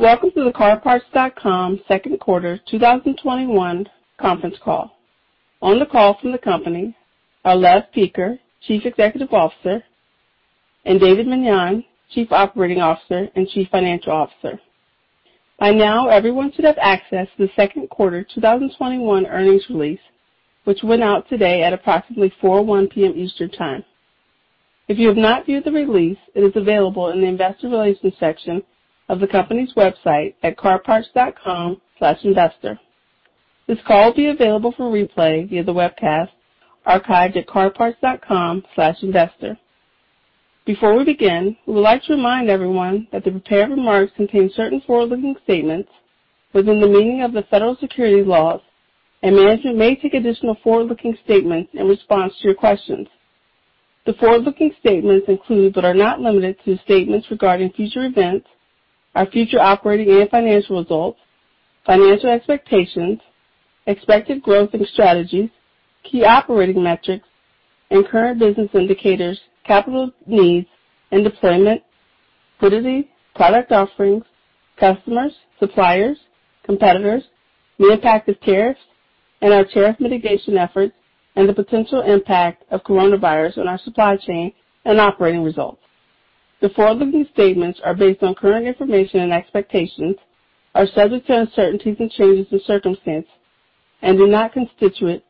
Welcome to the CarParts.com second quarter 2021 conference call. On the call from the company are Lev Peker, Chief Executive Officer, and David Meniane, Chief Operating Officer and Chief Financial Officer. By now, everyone should have accessed the second quarter 2021 earnings release, which went out today at approximately 4:01 P.M. Eastern Time. If you have not viewed the release, it is available in the investor relations section of the company's website at carparts.com/investor. This call will be available for replay via the webcast archived at carparts.com/investor. Before we begin, we would like to remind everyone that the prepared remarks contain certain forward-looking statements within the meaning of the Federal Securities laws, and management may take additional forward-looking statements in response to your questions. The forward-looking statements include but are not limited to statements regarding future events, our future operating and financial results, financial expectations, expected growth and strategies, key operating metrics and current business indicators, capital needs and deployment, liquidity, product offerings, customers, suppliers, competitors, the impact of tariffs, and our tariff mitigation efforts, and the potential impact of coronavirus on our supply chain and operating results. The forward-looking statements are based on current information and expectations, are subject to uncertainties and changes in circumstance, and do not constitute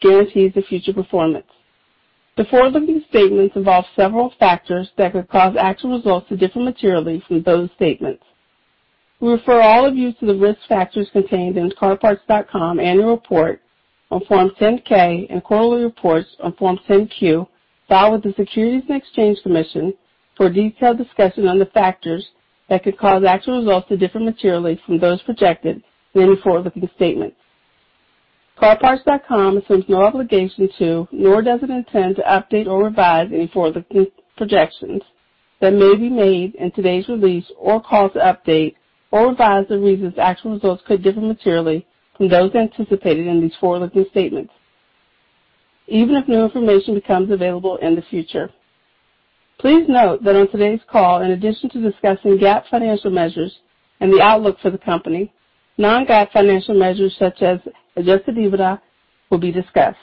guarantees of future performance. The forward-looking statements involve several factors that could cause actual results to differ materially from those statements. We refer all of you to the risk factors contained in CarParts.com annual report on Form 10-K and quarterly reports on Form 10-Q filed with the Securities and Exchange Commission for a detailed discussion on the factors that could cause actual results to differ materially from those projected in any forward-looking statements. CarParts.com assumes no obligation to, nor does it intend to update or revise any forward-looking projections that may be made in today's release or call to update or revise the reasons actual results could differ materially from those anticipated in these forward-looking statements, even if new information becomes available in the future. Please note that on today's call, in addition to discussing GAAP financial measures and the outlook for the company, non-GAAP financial measures such as adjusted EBITDA will be discussed.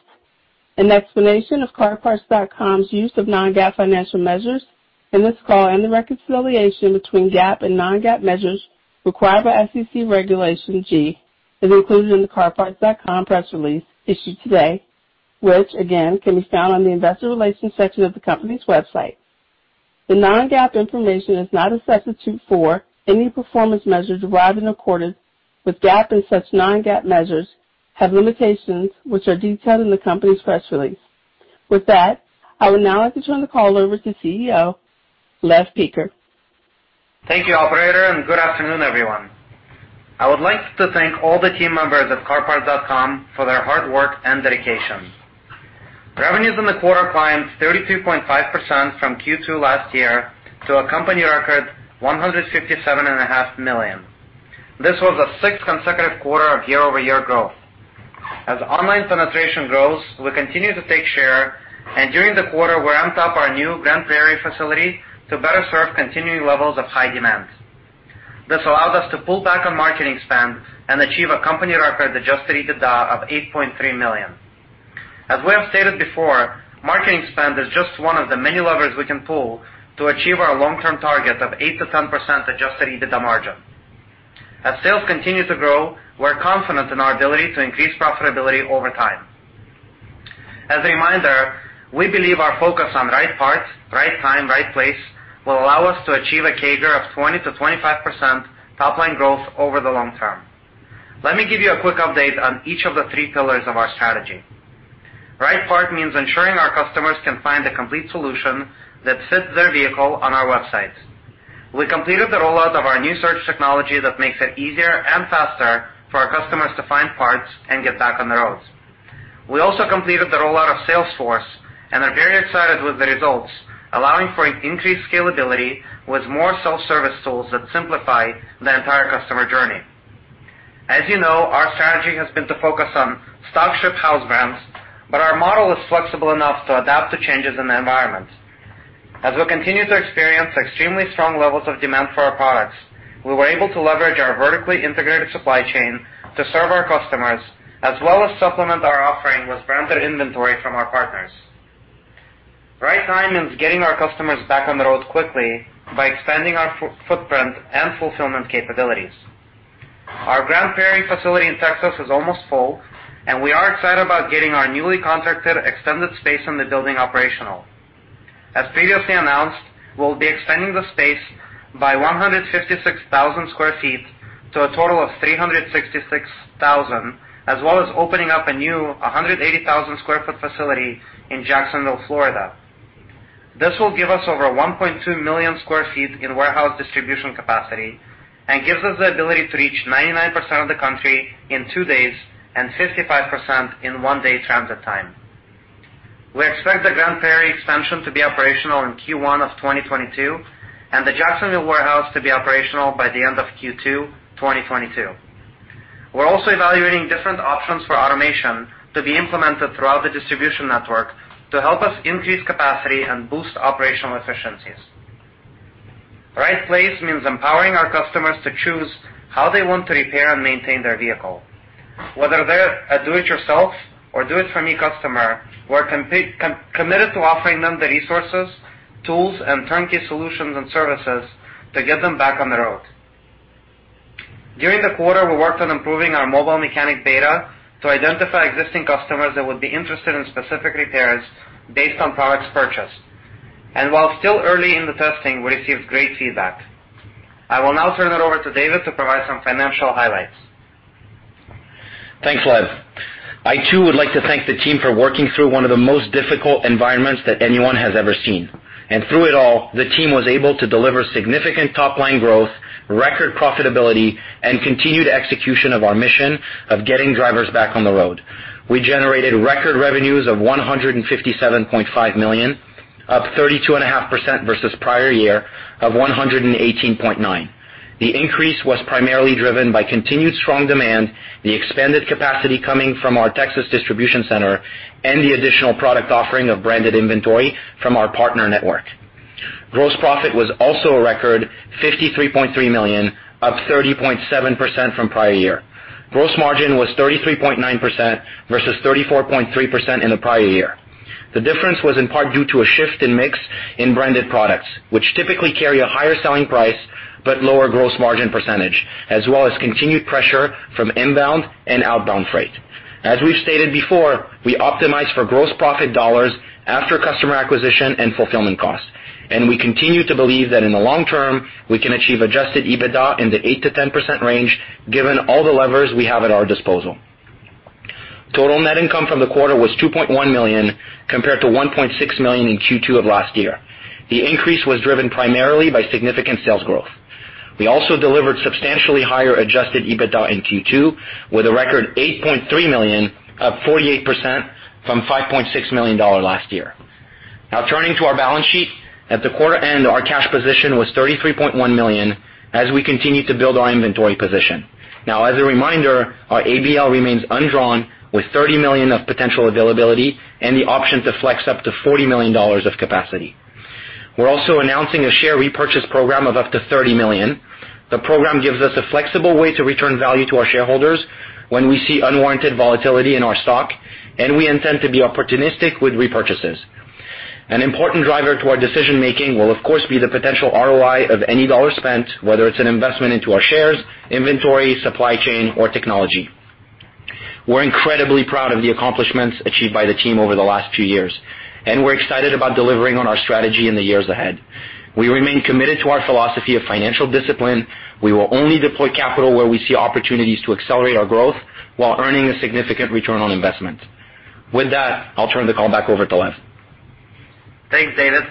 An explanation of CarParts.com's use of non-GAAP financial measures in this call and the reconciliation between GAAP and non-GAAP measures required by SEC Regulation G is included in the CarParts.com press release issued today, which again, can be found on the investor relations section of the company's website. The non-GAAP information is not a substitute for any performance measures derived in accordance with GAAP, and such non-GAAP measures have limitations, which are detailed in the company's press release. With that, I would now like to turn the call over to CEO, Lev Peker. Thank you, operator. Good afternoon, everyone. I would like to thank all the team members of CarParts.com for their hard work and dedication. Revenues in the quarter climbed 33.5% from Q2 last year to a company record $157 and a half million. This was the sixth consecutive quarter of year-over-year growth. As online penetration grows, we continue to take share, and during the quarter, we ramped up our new Grand Prairie facility to better serve continuing levels of high demand. This allowed us to pull back on marketing spend and achieve a company record adjusted EBITDA of $8.3 million. As we have stated before, marketing spend is just one of the many levers we can pull to achieve our long-term target of 8%-10% adjusted EBITDA margin. As sales continue to grow, we're confident in our ability to increase profitability over time. As a reminder, we believe our focus on right parts, right time, right place, will allow us to achieve a CAGR of 20%-25% top-line growth over the long term. Let me give you a quick update on each of the three pillars of our strategy. Right part means ensuring our customers can find a complete solution that fits their vehicle on our website. We completed the rollout of our new search technology that makes it easier and faster for our customers to find parts and get back on the road. We also completed the rollout of Salesforce and are very excited with the results, allowing for increased scalability with more self-service tools that simplify the entire customer journey. As you know, our strategy has been to focus on stock ship house brands, but our model is flexible enough to adapt to changes in the environment. As we continue to experience extremely strong levels of demand for our products, we were able to leverage our vertically integrated supply chain to serve our customers, as well as supplement our offering with branded inventory from our partners. Right time means getting our customers back on the road quickly by expanding our footprint and fulfillment capabilities. Our Grand Prairie facility in Texas is almost full, and we are excited about getting our newly contracted extended space in the building operational. As previously announced, we'll be extending the space by 156,000 sq ft to a total of 366,000 sq ft, as well as opening up a new 180,000 sq ft facility in Jacksonville, Florida. This will give us over 1.2 million sq ft in warehouse distribution capacity and gives us the ability to reach 99% of the country in two days and 55% in one day transit time. We expect the Grand Prairie expansion to be operational in Q1 of 2022 and the Jacksonville warehouse to be operational by the end of Q2 2022. We're also evaluating different options for automation to be implemented throughout the distribution network to help us increase capacity and boost operational efficiencies. Right place means empowering our customers to choose how they want to repair and maintain their vehicle. Whether they're a do-it-yourself or Do It For Me customer, we're committed to offering them the resources, tools, and turnkey solutions and services to get them back on the road. During the quarter, we worked on improving our mobile mechanic data to identify existing customers that would be interested in specific repairs based on products purchased. While still early in the testing, we received great feedback. I will now turn it over to David Meniane to provide some financial highlights. Thanks, Lev. I, too, would like to thank the team for working through one of the most difficult environments that anyone has ever seen. Through it all, the team was able to deliver significant top-line growth, record profitability, and continued execution of our mission of getting drivers back on the road. We generated record revenues of $157.5 million, up 32.5% versus prior year of $118.9 million. The increase was primarily driven by continued strong demand, the expanded capacity coming from our Texas distribution center, and the additional product offering of branded inventory from our partner network. Gross profit was also a record $53.3 million, up 30.7% from prior year. Gross margin was 33.9% versus 34.3% in the prior year. The difference was in part due to a shift in mix in branded products, which typically carry a higher selling price but lower gross margin %, as well as continued pressure from inbound and outbound freight. As we've stated before, we optimize for gross profit dollars after customer acquisition and fulfillment costs, and we continue to believe that in the long term, we can achieve adjusted EBITDA in the 8%-10% range, given all the levers we have at our disposal. Total net income from the quarter was $2.1 million, compared to $1.6 million in Q2 of last year. The increase was driven primarily by significant sales growth. We also delivered substantially higher adjusted EBITDA in Q2, with a record $8.3 million, up 48% from $5.6 million last year. Now turning to our balance sheet. At the quarter end, our cash position was $33.1 million as we continue to build our inventory position. Now, as a reminder, our ABL remains undrawn with $30 million of potential availability and the option to flex up to $40 million of capacity. We're also announcing a share repurchase program of up to $30 million. The program gives us a flexible way to return value to our shareholders when we see unwarranted volatility in our stock, and we intend to be opportunistic with repurchases. An important driver to our decision-making will, of course, be the potential ROI of any dollar spent, whether it's an investment into our shares, inventory, supply chain, or technology. We're incredibly proud of the accomplishments achieved by the team over the last few years, and we're excited about delivering on our strategy in the years ahead. We remain committed to our philosophy of financial discipline. We will only deploy capital where we see opportunities to accelerate our growth while earning a significant return on investment. With that, I'll turn the call back over to Lev. Thanks, David.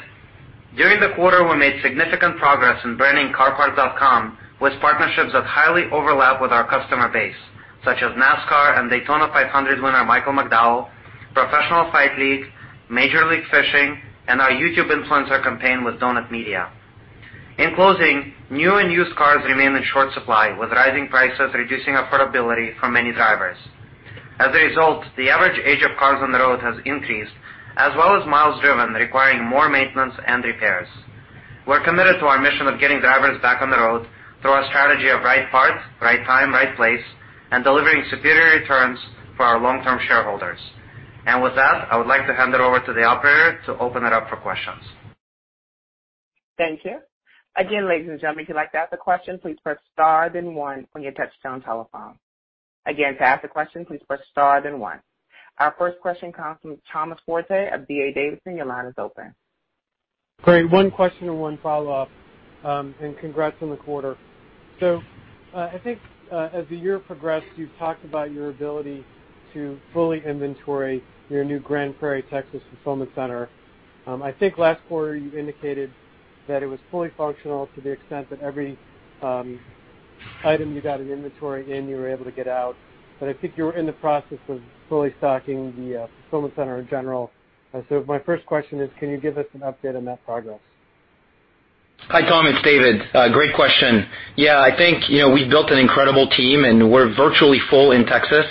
During the quarter, we made significant progress in branding CarParts.com with partnerships that highly overlap with our customer base, such as NASCAR and Daytona 500 winner Michael McDowell, Professional Fighters League, Major League Fishing, and our YouTube influencer campaign with Donut Media. In closing, new and used cars remain in short supply, with rising prices reducing affordability for many drivers. As a result, the average age of cars on the road has increased, as well as miles driven, requiring more maintenance and repairs. We're committed to our mission of getting drivers back on the road through our strategy of right part, right time, right place, and delivering superior returns for our long-term shareholders. With that, I would like to hand it over to the operator to open it up for questions. Thank you. Again, ladies and gentlemen, if you'd like to ask a question, please press star, then one on your touchtone telephone. Again, to ask a question, please press star, then one. Our first question comes from Thomas Forte of D.A. Davidson. Your line is open. Great. One question and one follow-up. Congrats on the quarter. I think as the year progressed, you've talked about your ability to fully inventory your new Grand Prairie, Texas, fulfillment center. I think last quarter you indicated that it was fully functional to the extent that every item you got in inventory in, you were able to get out. I think you were in the process of fully stocking the fulfillment center in general. My first question is, can you give us an update on that progress? Hi, Tom. It's David. Great question. I think we built an incredible team, and we're virtually full in Texas.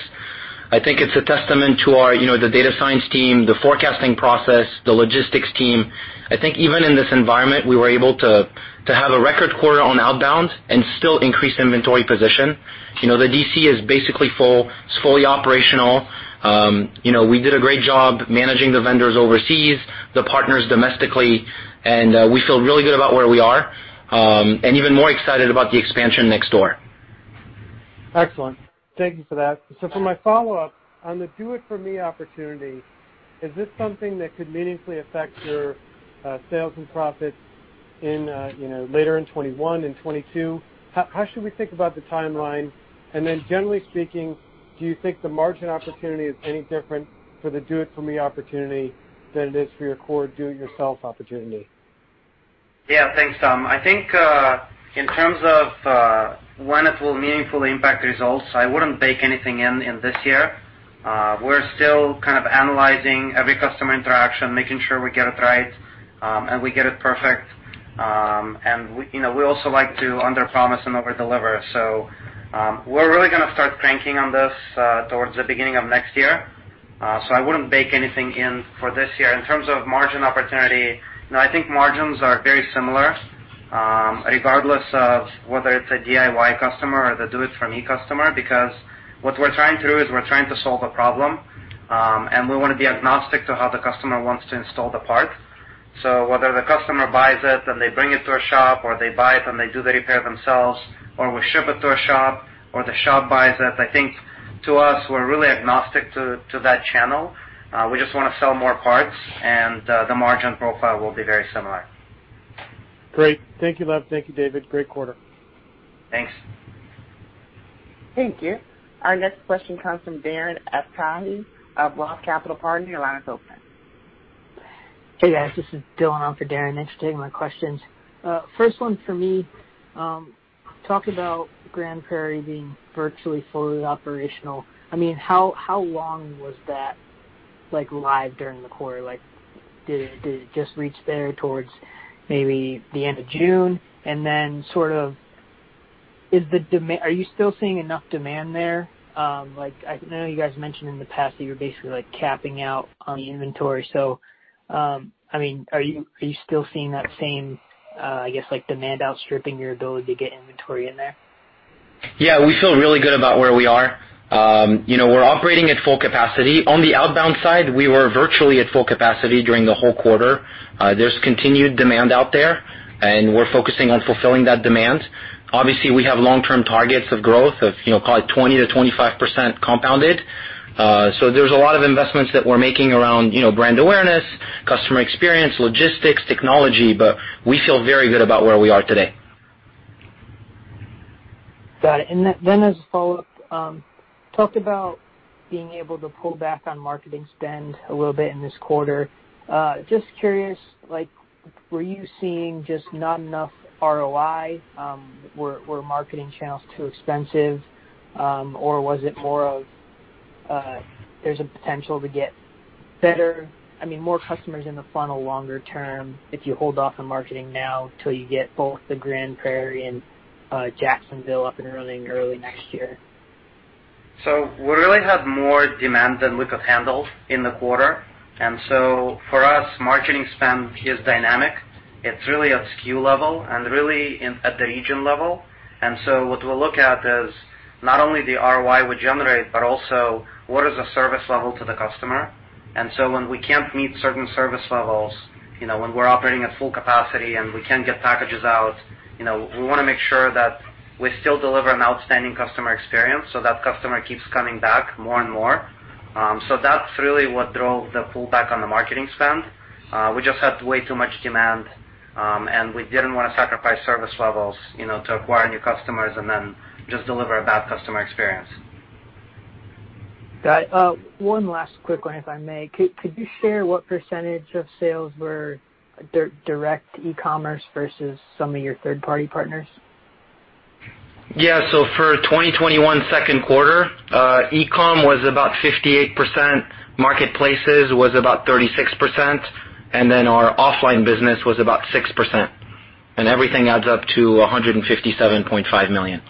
I think it's a testament to the data science team, the forecasting process, the logistics team. I think even in this environment, we were able to have a record quarter on outbound and still increase inventory position. The DC is basically full. It's fully operational. We did a great job managing the vendors overseas, the partners domestically, and we feel really good about where we are, and even more excited about the expansion next door. Excellent. Thank you for that. For my follow-up, on the Do It For Me opportunity, is this something that could meaningfully affect your sales and profits later in 2021 and 2022? How should we think about the timeline? Generally speaking, do you think the margin opportunity is any different for the Do It For Me opportunity than it is for your core Do-It-Yourself opportunity? Yeah. Thanks, Tom. I think, in terms of when it will meaningfully impact results, I wouldn't bake anything in this year. We're still kind of analyzing every customer interaction, making sure we get it right, and we get it perfect. We also like to underpromise and overdeliver. We're really going to start cranking on this towards the beginning of next year. I wouldn't bake anything in for this year. In terms of margin opportunity, no, I think margins are very similar, regardless of whether it's a DIY customer or the Do It For Me customer, because what we're trying to do is we're trying to solve a problem, and we want to be agnostic to how the customer wants to install the part. Whether the customer buys it and they bring it to a shop, or they buy it and they do the repair themselves, or we ship it to a shop, or the shop buys it, I think to us, we're really agnostic to that channel. We just want to sell more parts, and the margin profile will be very similar. Great. Thank you, Lev. Thank you, David. Great quarter. Thanks. Thank you. Our next question comes from Darren Aftahi of Roth Capital Partners. Your line is open. Hey, guys. This is Dylan on for Darren. Thanks for taking my questions. First one for me, talk about Grand Prairie being virtually fully operational. How long was that live during the quarter? Did it just reach there towards maybe the end of June? Are you still seeing enough demand there? I know you guys mentioned in the past that you were basically capping out on the inventory. Are you still seeing that same demand outstripping your ability to get inventory in there? We feel really good about where we are. We're operating at full capacity. On the outbound side, we were virtually at full capacity during the whole quarter. There's continued demand out there, and we're focusing on fulfilling that demand. Obviously, we have long-term targets of growth of call it 20%-25% compounded. There's a lot of investments that we're making around brand awareness, customer experience, logistics, technology, but we feel very good about where we are today. Got it. As a follow-up, talked about being able to pull back on marketing spend a little bit in this quarter. Just curious, were you seeing just not enough ROI? Were marketing channels too expensive? Was it more of there's a potential to get more customers in the funnel longer term if you hold off on marketing now till you get both the Grand Prairie and Jacksonville up and running early next year? We really had more demand than we could handle in the quarter. For us, marketing spend is dynamic. It's really at SKU level and really at the region level. What we'll look at is not only the ROI we generate, but also what is the service level to the customer. When we can't meet certain service levels, when we're operating at full capacity and we can't get packages out, we want to make sure that we still deliver an outstanding customer experience so that customer keeps coming back more and more. That's really what drove the pull back on the marketing spend. We just had way too much demand, and we didn't want to sacrifice service levels to acquire new customers and then just deliver a bad customer experience. Got it. One last quick one, if I may. Could you share what % of sales were direct e-commerce versus some of your third-party partners? Yeah. For 2021 second quarter, e-com was about 58%, marketplaces was about 36%, our offline business was about 6%. Everything adds up to $157.5 million.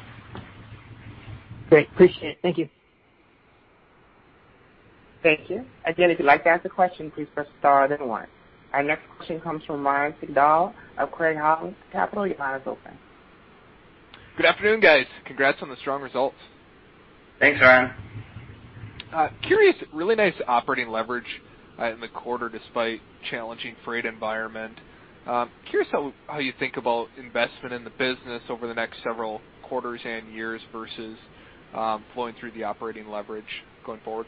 Great. Appreciate it. Thank you. Thank you. Again, if you'd like to ask a question, please press star then one. Our next question comes from Ryan Sigdahl of Craig-Hallum Capital. Your line is open. Good afternoon, guys. Congrats on the strong results. Thanks, Ryan. Curious, really nice operating leverage in the quarter despite challenging freight environment. Curious how you think about investment in the business over the next several quarters and years versus flowing through the operating leverage going forward.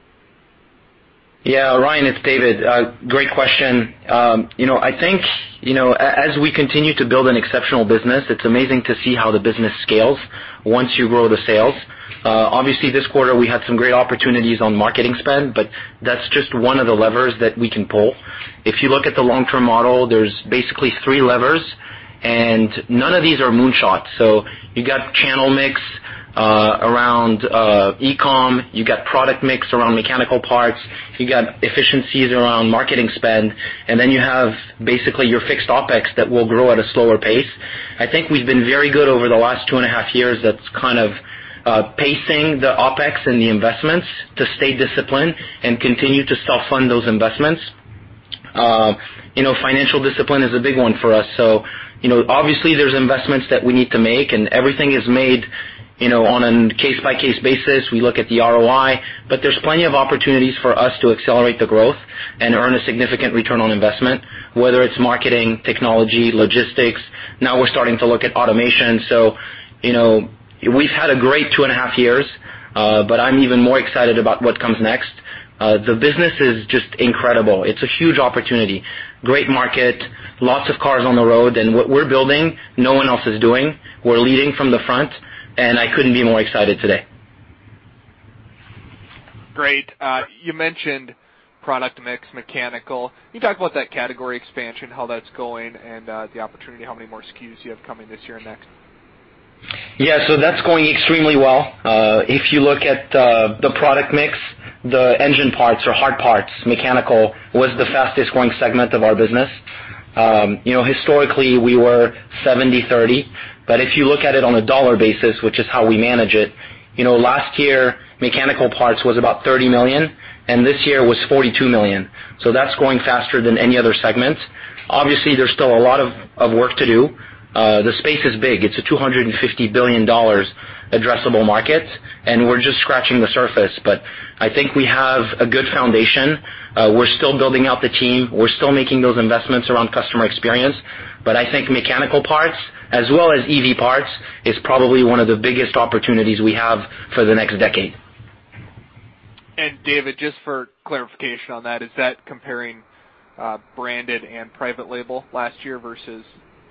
Yeah, Ryan, it's David. Great question. I think as we continue to build an exceptional business, it's amazing to see how the business scales once you grow the sales. Obviously, this quarter we had some great opportunities on marketing spend, that's just one of the levers that we can pull. If you look at the long-term model, there's basically three levers, none of these are moonshots. You got channel mix around e-com, you got product mix around mechanical parts, you got efficiencies around marketing spend, you have basically your fixed OpEx that will grow at a slower pace. I think we've been very good over the last two and a half years at kind of pacing the OpEx and the investments to stay disciplined and continue to self-fund those investments. Financial discipline is a big one for us. Obviously there's investments that we need to make, and everything is made on a case-by-case basis. We look at the ROI. There's plenty of opportunities for us to accelerate the growth and earn a significant return on investment, whether it's marketing, technology, logistics. Now we're starting to look at automation. We've had a great two and a half years, but I'm even more excited about what comes next. The business is just incredible. It's a huge opportunity. Great market, lots of cars on the road, and what we're building, no one else is doing. We're leading from the front, and I couldn't be more excited today. Great. You mentioned product mix, mechanical. Can you talk about that category expansion, how that's going, and the opportunity, how many more SKUs you have coming this year and next? That's going extremely well. If you look at the product mix, the engine parts or hard parts, mechanical, was the fastest-growing segment of our business. Historically, we were 70/30. If you look at it on a dollar basis, which is how we manage it, last year, mechanical parts was about $30 million, and this year it was $42 million. That's growing faster than any other segment. Obviously, there's still a lot of work to do. The space is big. It's a $250 billion addressable market, and we're just scratching the surface. I think we have a good foundation. We're still building out the team. We're still making those investments around customer experience. I think mechanical parts as well as EV parts is probably one of the biggest opportunities we have for the next decade. David, just for clarification on that, is that comparing branded and private label last year versus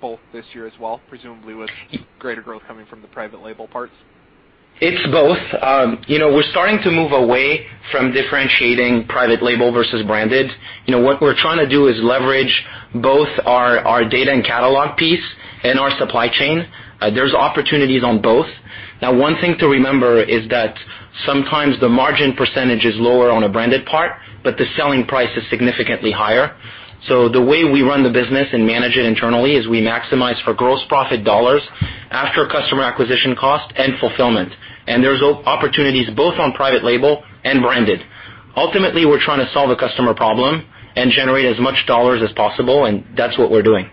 both this year as well, presumably with greater growth coming from the private label parts? It's both. We're starting to move away from differentiating private label versus branded. What we're trying to do is leverage both our data and catalog piece and our supply chain. There's opportunities on both. Now, one thing to remember is that sometimes the margin percentage is lower on a branded part, but the selling price is significantly higher. The way we run the business and manage it internally is we maximize for gross profit dollars after customer acquisition cost and fulfillment. There's opportunities both on private label and branded. Ultimately, we're trying to solve a customer problem and generate as much dollars as possible, and that's what we're doing.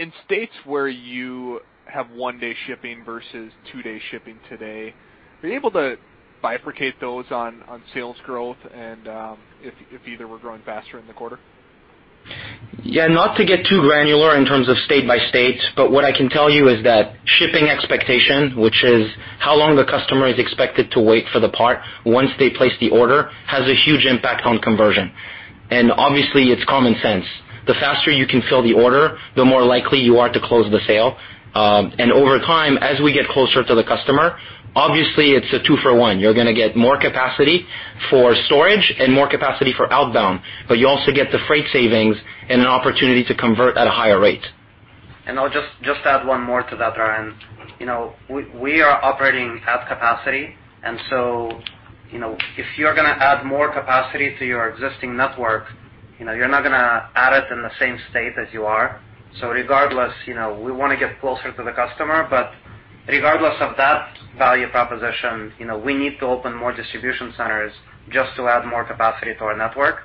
In states where you have one-day shipping versus two-day shipping today, are you able to bifurcate those on sales growth and if either were growing faster in the quarter? Not to get too granular in terms of state by state, what I can tell you is that shipping expectation, which is how long the customer is expected to wait for the part once they place the order, has a huge impact on conversion. Obviously, it's common sense. The faster you can fill the order, the more likely you are to close the sale. Over time, as we get closer to the customer, obviously it's a two for one. You're going to get more capacity for storage and more capacity for outbound, but you also get the freight savings and an opportunity to convert at a higher rate. I'll just add one more to that, Ryan. We are operating at capacity, and so, if you're going to add more capacity to your existing network, you're not going to add it in the same state as you are. Regardless, we want to get closer to the customer, but regardless of that value proposition, we need to open more distribution centers just to add more capacity to our network.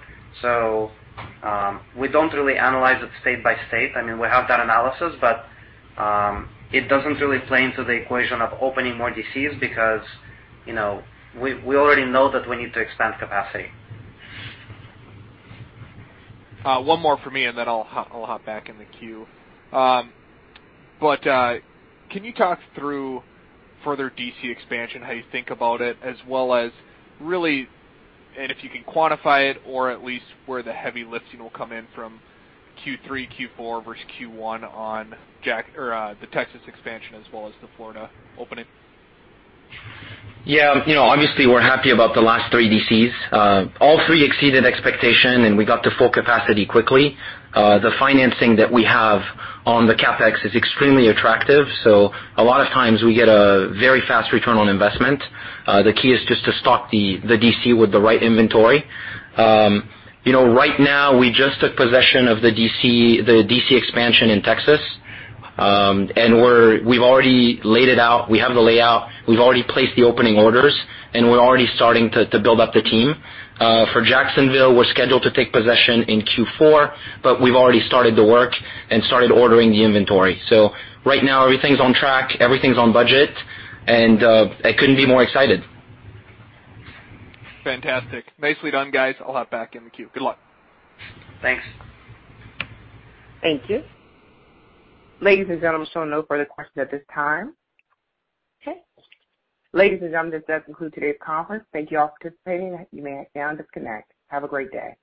We don't really analyze it state by state. I mean, we have that analysis, but it doesn't really play into the equation of opening more DCs because we already know that we need to expand capacity. One more from me, and then I'll hop back in the queue. Can you talk through further DC expansion, how you think about it, as well as really, and if you can quantify it or at least where the heavy lifting will come in from Q3, Q4 versus Q1 on the Texas expansion as well as the Florida opening? Yeah. Obviously, we're happy about the last three DCs. All three exceeded expectation, and we got to full capacity quickly. The financing that we have on the CapEx is extremely attractive, so a lot of times we get a very fast return on investment. The key is just to stock the DC with the right inventory. Right now, we just took possession of the DC expansion in Texas, and we've already laid it out. We have the layout. We've already placed the opening orders, and we're already starting to build up the team. For Jacksonville, we're scheduled to take possession in Q4, but we've already started the work and started ordering the inventory. Right now, everything's on track, everything's on budget, and I couldn't be more excited. Fantastic. Nicely done, guys. I'll hop back in the queue. Good luck. Thanks. Thank you. Ladies and gentlemen, showing no further questions at this time. Okay. Ladies and gentlemen, this does conclude today's conference. Thank you all for participating. You may now disconnect. Have a great day.